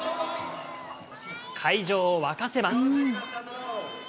会場を沸かせます。